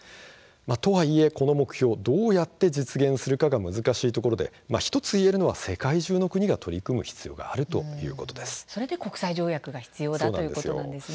とはいえ、この目標をどうやって実現するのかが難しいところで１つ言えるのは、世界中の国が取り組む必要があるそれで国際条約が必要だということなんですね。